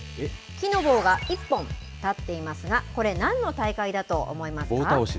木の棒が１本立っていますが、これ、なんの大会だと思いますか？